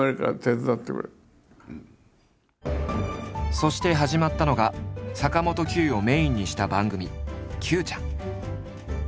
そして始まったのが坂本九をメインにした番組「九ちゃん！」。